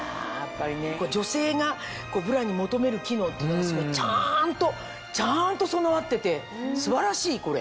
女性がブラに求める機能っていうのがすごいちゃんとちゃんと備わってて素晴らしいこれ。